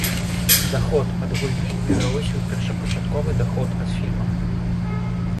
Даход ад гульні перавысіў першапачатковы даход ад фільма.